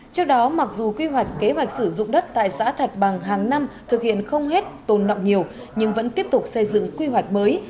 trước đó mặc dù quy hoạch kế hoạch sử dụng đất tại xã thạch bằng hàng năm thực hiện không hết tồn nọng nhiều nhưng vẫn tiếp tục xây dựng quy hoạch mới